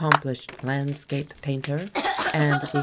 mpHshed landscape painter and Tj r